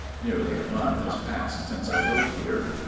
Nearly a month has passed since I wrote here.